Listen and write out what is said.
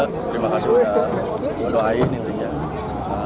terima kasih sudah doain intinya